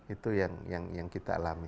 itu yang kita alami